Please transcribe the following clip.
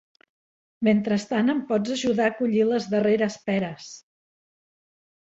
Mentrestant em pots ajudar a collir les darreres peres.